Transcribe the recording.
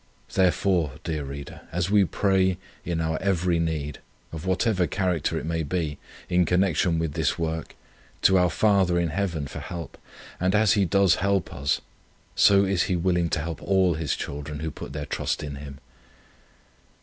Therefore, dear reader, as we pray in our every need, of whatever character it may be, in connection with this work, to our Father in Heaven for help, and as He does help us, so is He willing to help all His children who put their trust in Him.